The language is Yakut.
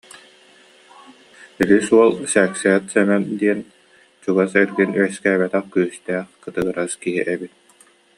Үһүс уол Сээксээт Сэмэн диэн чугас эргин үөскээбэтэх күүстээх, кытыгырас киһи эбит